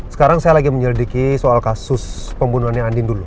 sekarang saya lagi menyelidiki soal kasus pembunuhannya andin dulu